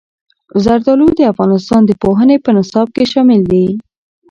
زردالو د افغانستان د پوهنې په نصاب کې شامل دي.